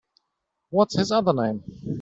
What’s his other name?